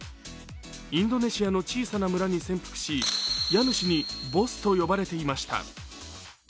インドネシアの小さな村に潜伏し家主にボスと呼ばれていました。